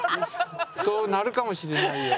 そうなるかもしれないよ。